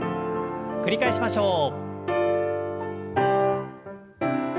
繰り返しましょう。